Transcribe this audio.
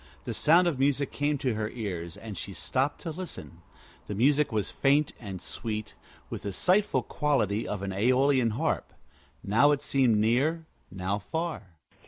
The sound of music came to her ears, and she stopped to listen. The music was faint and sweet, with the sighful quality of an Æolian harp. Now it seemed near, now far.